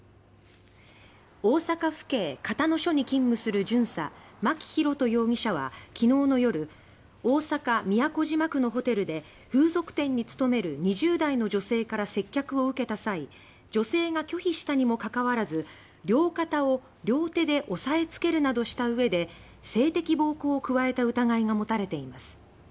大阪府警交野署に勤務する巡査・牧宏人容疑者は昨日の夜大阪・都島区のホテルで風俗店に勤める２０代の女性から接客を受けた際女性が拒否したにもかかわらず両肩を両手で押さえつけるなどしたうえで性的暴行を加えた疑いが持たれています。